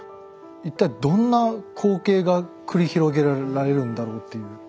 一体どんな光景が繰り広げられるんだろうっていう恐怖ですね。